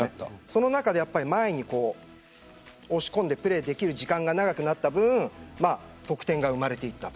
その中で前に押し込んでプレーできる時間が長くなった分得点が生まれていきました。